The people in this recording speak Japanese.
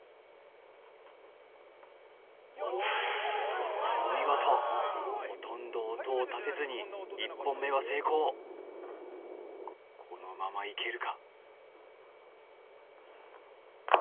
おっとお見事ほとんど音を立てずにこのままいけるか？